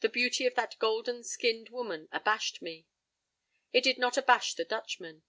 The beauty of that golden skinned woman abashed me. It did not abash the Dutchman.